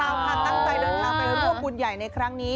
เอาค่ะตั้งใจเดินทางไปร่วมบุญใหญ่ในครั้งนี้